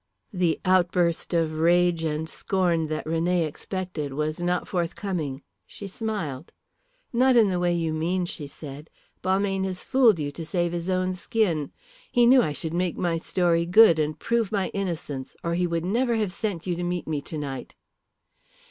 The outburst of rage and scorn that René expected was not forthcoming. She smiled. "Not in the way you mean," she said. "Balmayne has fooled you to save his own skin. He knew I should make my story good and prove my innocence, or he would never have sent you to meet me tonight."